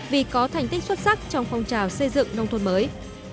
vì có thành tích xuất sắc trong phong trào xây dựng nông thôn mới